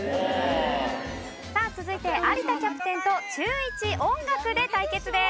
さあ続いて有田キャプテンと中１音楽で対決です。